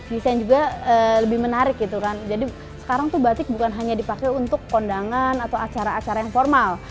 desain juga lebih menarik gitu kan jadi sekarang tuh batik bukan hanya dipakai untuk kondangan atau acara acara informal